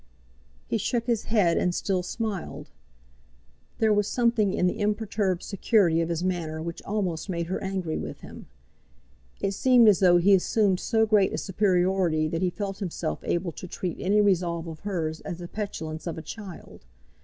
He shook his head and still smiled. There was something in the imperturbed security of his manner which almost made her angry with him. It seemed as though he assumed so great a superiority that he felt himself able to treat any resolve of hers as the petulance of a child.